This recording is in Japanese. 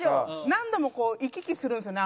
何度もこう行き来するんですよね